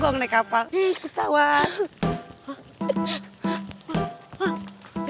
gua mau naik kapal pesawat